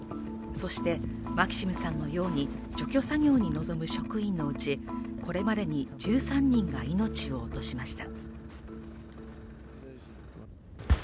そして、マキシムさんのように除去作業に臨む職員のうちこれまでに１３人が命を落としました。